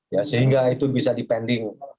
ya sehingga itu bisa dipending